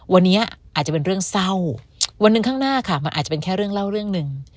วันนี้อาจจะเป็นเรื่องเศร้าวันหนึ่งข้างหน้าค่ะมันอาจจะเป็นแค่เรื่องเล่าเรื่องหนึ่ง